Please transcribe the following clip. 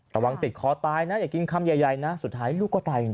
ระวังติดคอตายนะอย่ากินคำใหญ่นะสุดท้ายลูกก็ตายจริง